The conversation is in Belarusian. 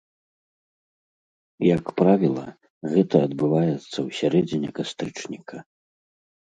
Як правіла, гэта адбываецца ў сярэдзіне кастрычніка.